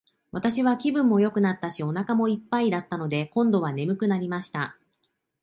私は気分もよくなったし、お腹も一ぱいだったので、今度は睡くなりました。